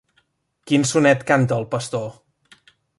Quin sonet canta el pastor?